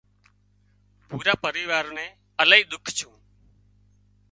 پورا پريوار نين الاهي ۮُک ڇون